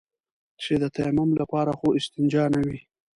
چې د تيمم لپاره خو استنجا نه وي.